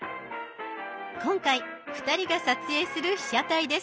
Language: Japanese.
今回２人が撮影する被写体です。